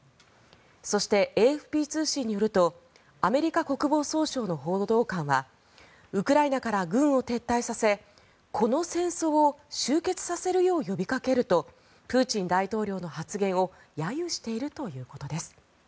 そして、ＡＦＰ通信によるとアメリカ国防総省の報道官はウクライナから軍を撤退させこの戦争を終結させるよう呼びかけるとプーチン大統領の発言を揶揄しているということです。